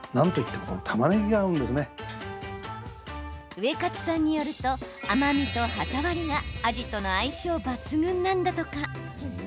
ウエカツさんによると甘みと歯触りがアジとの相性抜群なんだとか。